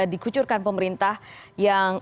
dikucurkan pemerintah yang